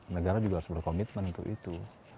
negara juga harus berkomitmen untuk itu